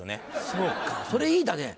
そうかそれいいね！